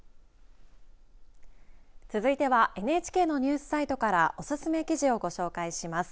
続いてはＮＨＫのニュースサイトからおすすめ記事をご紹介します。